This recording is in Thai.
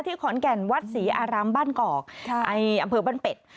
ขอนแก่นวัดศรีอารามบ้านกอกในอำเภอบ้านเป็ด